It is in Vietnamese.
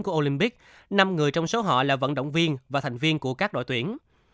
của olympic năm người trong số họ là vận động viên và thành viên của các đội tuyển